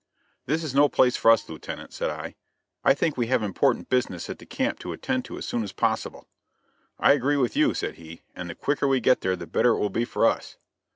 "This is no place for us, Lieutenant," said I; "I think we have important business at the camp to attend to as soon as possible." "I agree with you," said he, "and the quicker we get there the better it will be for us."